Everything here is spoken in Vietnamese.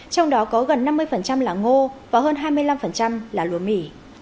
trong đó có gần năm mươi là ngô và hơn hai mươi năm là lúa mì